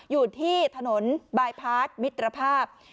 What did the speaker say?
อยู่ที่ถนนบายพาร์ทมิตรภาพ